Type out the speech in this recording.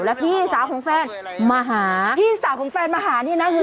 แล้วพี่สาวของแฟนมาหาพี่สาวของแฟนมาหานี่นะคือ